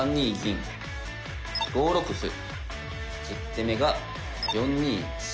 １０手目が４二飛。